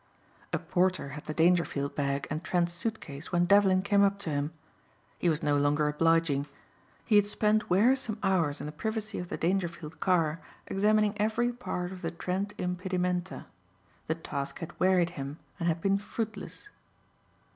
A porter had the Dangerfield bag and Trent's suitcase when Devlin came up to him. He was no longer obliging. He had spent wearisome hours in the privacy of the Dangerfield car examining every part of the Trent impedimenta. The task had wearied him and had been fruitless.